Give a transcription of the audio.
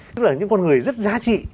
tức là những con người rất giá trị